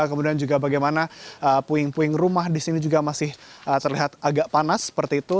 kemudian juga bagaimana puing puing rumah di sini juga masih terlihat agak panas seperti itu